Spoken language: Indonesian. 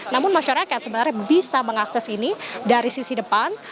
namun masyarakat sebenarnya bisa mengakses ini dari sisi depan